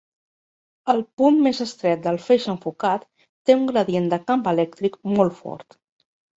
El punt més estret del feix enfocat té un gradient de camp elèctric molt fort.